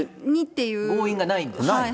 強引がないんです。